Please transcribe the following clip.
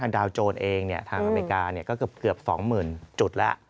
ดาวโจรเองทางอเมริกาก็เกือบ๒๐๐๐จุดแล้ว